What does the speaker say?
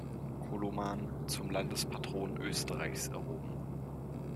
Koloman zum Landespatron Österreichs erhoben.